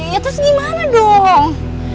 ya terus gimana dong